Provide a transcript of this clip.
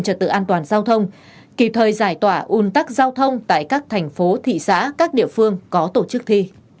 cảm ơn các bạn đã theo dõi và đăng ký kênh của chúng mình